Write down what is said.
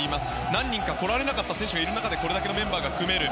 何人か来られなかった選手がいる中でこれだけのメンバーが組める。